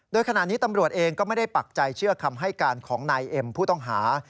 โดยขณะนี้ตำรวจเองก็ไม่ได้ปักใจเชื่อคำให้การของนายเอ็มผู้ต้องหา